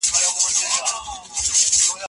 په پلي مزل کي بې ځایه درد نه احساسېږي.